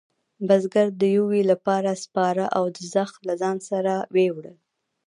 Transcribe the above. بزگر د یویې لپاره سپاره او زخ له ځانه سره وېوړل.